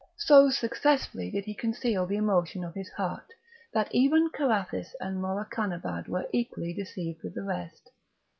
So successfully did he conceal the emotion of his heart, that even Carathis and Morakanabad were equally deceived with the rest.